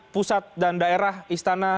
pusat dan daerah istana